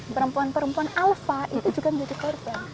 perempuan perempuan alpha itu juga menjadi korban